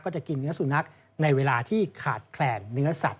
จะกินเนื้อสุนัขในเวลาที่ขาดแคลนเนื้อสัตว